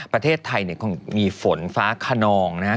ประเทศไทยคงมีฝนฟ้าขนองนะฮะ